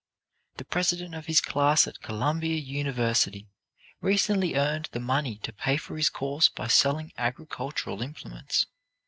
The president of his class at Columbia University recently earned the money to pay for his course by selling agricultural implements.